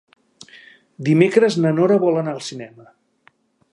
Dimecres na Nora vol anar al cinema.